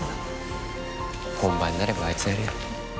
本番になればあいつはやるよ。